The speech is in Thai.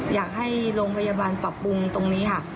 อยากให้โรงพยาบาลปรับปรุงตรงนี้ค่ะ